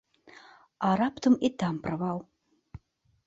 А раптам і там правал?